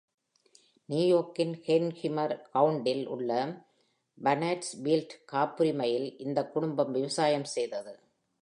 நியூயார்க்கின் ஹெர்கிமர் கவுண்டியில் உள்ள பர்னெட்ஸ்ஃபீல்ட் காப்புரிமையில் இந்த குடும்பம் விவசாயம் செய்தது.